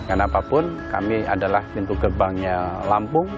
kenapa pun kami adalah pintu gerbangnya lampung